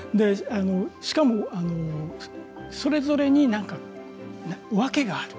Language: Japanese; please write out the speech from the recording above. しかも、それぞれに訳がある。